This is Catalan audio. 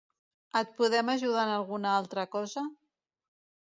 Et podem ajudar en alguna altra cosa?